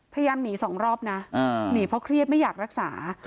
พยายามหนีสองรอบนะหนีเพราะเครียดไม่อยากรักษา